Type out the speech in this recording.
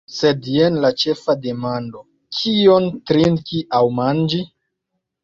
Sed jen la ĉefa demando: « kion trinki aŭ manĝi."